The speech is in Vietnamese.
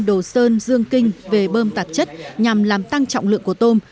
đồ sơn dương kinh về bơm tạp chất nhằm làm tăng trọng lượng của tôm